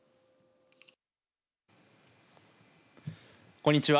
こんにちは。